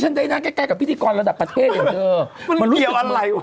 ฉันได้น่าใกล้กับพิธีกรณ์ระดับประเทศเลยค่ะ